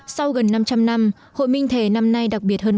sau gần năm trăm linh năm hội minh thề năm nay đặc biệt hơn